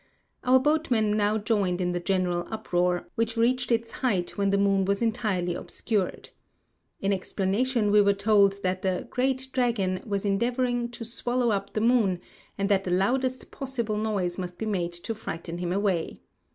Our boatmen now joined in the general uproar, which reached its height when the moon was entirely obscured. In explanation we were told that the "Great Dragon" was endeavoring to swallow up the moon, and that the loudest possible noise must be made to frighten him away.